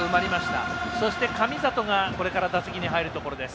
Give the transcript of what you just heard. そして、神里がこれから打席に入るところです。